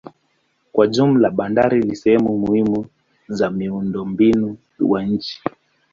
Kwa jumla bandari ni sehemu muhimu za miundombinu wa nchi.